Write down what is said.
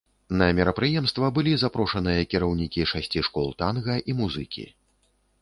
На мерапрыемства былі запрошаныя кіраўнікі шасці школ танга і музыкі.